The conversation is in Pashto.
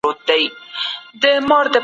حکومتي قراردادونه څنګه څیړل کیږي؟